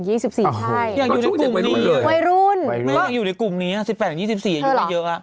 อยากอยู่ในกลุ่มนี้วัยรุ่นไม่อยากอยู่ในกลุ่มนี้๑๘๒๔อยากอยู่ไม่เยอะ